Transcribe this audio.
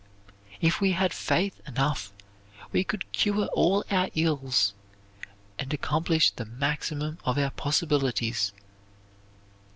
If we had faith enough we could cure all our ills and accomplish the maximum of our possibilities.